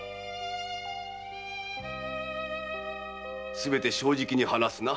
すべて正直に話すな？